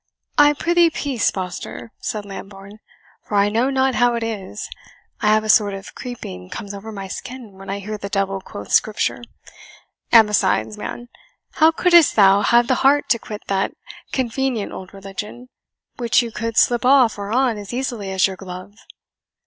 "I prithee peace, Foster," said Lambourne, "for I know not how it is, I have a sort of creeping comes over my skin when I hear the devil quote Scripture; and besides, man, how couldst thou have the heart to quit that convenient old religion, which you could slip off or on as easily as your glove?